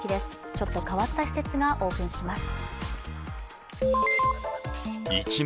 ちょっと変わった施設がオープンします。